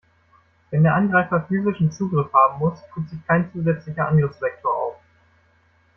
Wenn der Angreifer physischen Zugriff haben muss, tut sich kein zusätzlicher Angriffsvektor auf.